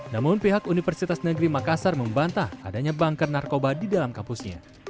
namun pihak universitas negeri makassar membantah adanya banker narkoba di dalam kampusnya